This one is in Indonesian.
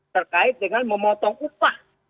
terkait dengan memotong upah